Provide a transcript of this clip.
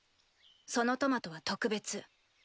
そのトマトは特別。